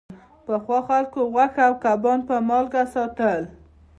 پخوا خلکو غوښه او کبان په مالګه ساتل.